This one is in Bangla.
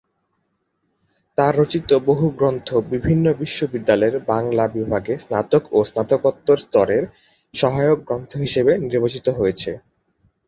তার রচিত বহু গ্রন্থ বিভিন্ন বিশ্ববিদ্যালয়ের বাংলা বিভাগে স্নাতক ও স্নাতকোত্তর স্তরের সহায়ক গ্রন্থ হিসাবে নির্বাচিত হয়েছে।